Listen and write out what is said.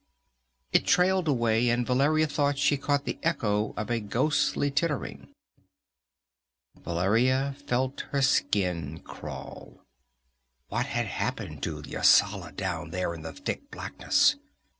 Ahhh!" It trailed away, and Valeria thought she caught the echo of a ghostly tittering. Valeria felt her skin crawl. What had happened to Yasala down there in the thick blackness?